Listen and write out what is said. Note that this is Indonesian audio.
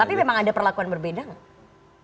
tapi memang ada perlakuan berbeda nggak